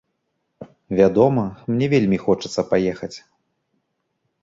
Вядома, мне вельмі хочацца паехаць.